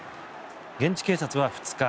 現地警察は２日